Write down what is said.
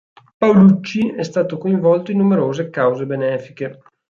Paulucci è stato coinvolto in numerose cause benefiche.